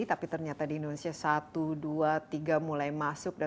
tapi ternyata di indonesia satu dua tiga mulai masuk